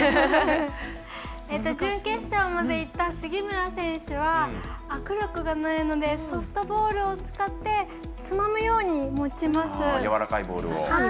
準決勝までいった杉村選手は握力がないのでソフトボールを使ってつまむように持ちます。